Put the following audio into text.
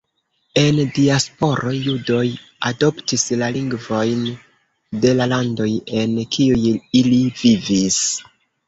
En diasporo judoj adoptis la lingvojn de la landoj en kiuj ili vivis.